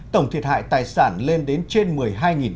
tổng thiệt hại tài sản lên đến trên